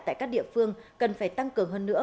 tại các địa phương cần phải tăng cường hơn nữa